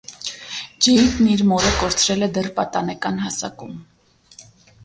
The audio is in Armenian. Ջեյդն իր մորը կորցրել է դեռ պատանեկան հասակում։